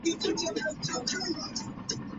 Weetabix is also made in Corby.